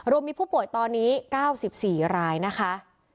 รวมมีผู้ป่วยตอนนี้๙๔รายนะคะ